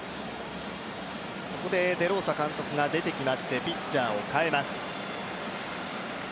ここでデローサ監督が出てきまして、ピッチャーを代えます。